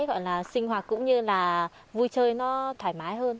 gọi là sinh hoạt cũng như là vui chơi nó thoải mái hơn